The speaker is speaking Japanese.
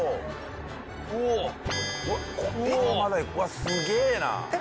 すげえな。